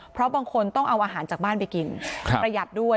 เพราะบางคนต้องเอาอาหารจากบ้านไปกินประหยัดด้วย